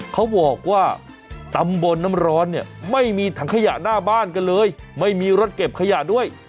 เขาบอกว่าตำบลน้ำร้อนเนี่ยไม่มีถังขยะหน้าบ้านกันเลยไม่มีรถเก็บขยะด้วย